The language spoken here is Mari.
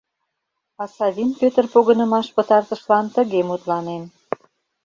А Савин Пӧтыр погынымаш пытартышлан тыге мутланен: